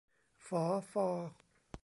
ฝอ ฟอ